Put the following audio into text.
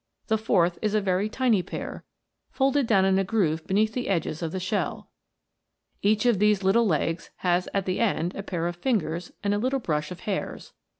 The fourth is a very tiny pair, folded down in a groove beneath the edges of the shell. Each of these little legs has at the end a pair of fingers and a little brush of hairs.